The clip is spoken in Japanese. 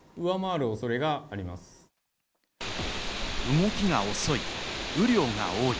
動きが遅い、雨量が多い。